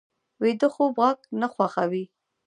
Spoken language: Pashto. ویده خوب غږ نه خوښوي